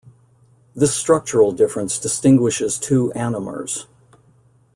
This structural difference distinguishes two anomers.